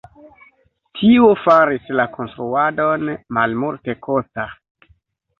Tio faris la konstruadon malmultekosta.